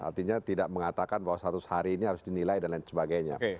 artinya tidak mengatakan bahwa seratus hari ini harus dinilai dan lain sebagainya